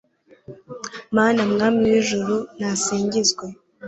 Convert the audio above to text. mana mwami w'ijuru, nasingizwe